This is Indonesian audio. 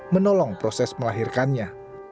menolong proses melahirkannya